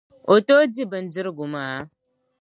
O tooi di bindirigu maa?